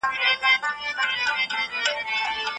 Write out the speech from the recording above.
باید پوه سو چې د ځان ادراک څه شی دی.